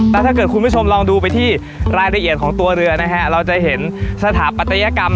แล้วถ้าเกิดคุณผู้ชมลองดูไปที่รายละเอียดของตัวเรือนะฮะเราจะเห็นสถาปัตยกรรม